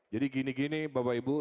jadi gini gini bapak ibu